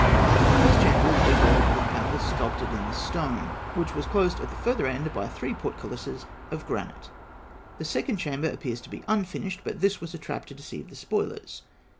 The first chamber is decorated with panels sculptured in the stone, and was closed at the further end by three portcullises of granite. The second chamber appears to be unfinished, but this was a trap to deceive the spoilers.